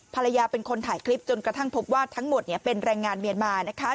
ภรรยาเป็นคนถ่ายคลิปจนกระทั่งพบว่าทั้งหมดเป็นแรงงานเมียนมานะคะ